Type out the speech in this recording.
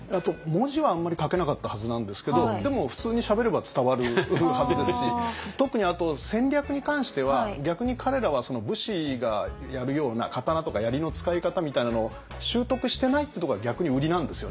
文字はあんまり書けなかったはずなんですけどでも普通にしゃべれば伝わるはずですし特に戦略に関しては逆に彼らは武士がやるような刀とか槍の使い方みたいなのを習得してないってとこが逆にウリなんですよね。